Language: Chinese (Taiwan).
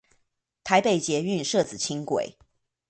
台北捷運社子輕軌